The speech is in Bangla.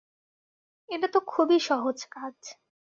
এটা তো খুবই সহজ কাজ।